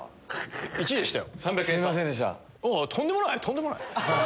１位でしたよ。